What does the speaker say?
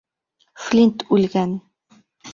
Флинт үлгән.